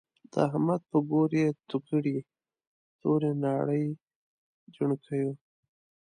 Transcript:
د احمد په ګور يې تو کړی، توری ناړی د يڼکيو